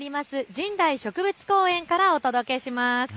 神代植物公園からお届けします。